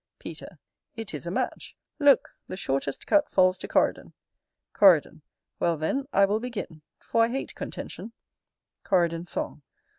Peter. It is a match. Look, the shortest cut falls to Coridon. Coridon. Well, then, I will begin, for I hate contention Coridon's song.